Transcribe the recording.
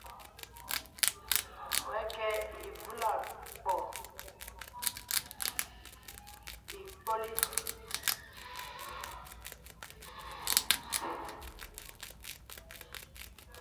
Wə̀kə̄ə̄ ìvùlɔ̄ɔ̄ ì ǐkpɔ̄li.